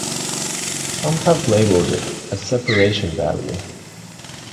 Some have labeled it a separation barrier.